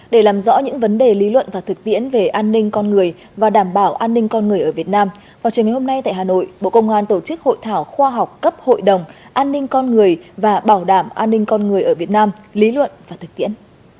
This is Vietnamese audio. để làm rõ những vấn đề lý luận và thực tiễn về an ninh con người và đảm bảo an ninh con người ở việt nam vào trường ngày hôm nay tại hà nội bộ công an tổ chức hội thảo khoa học cấp hội đồng an ninh con người và bảo đảm an ninh con người ở việt nam lý luận và thực tiễn